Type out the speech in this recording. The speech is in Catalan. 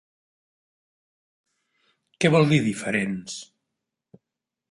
¿Què vol dir, diferents?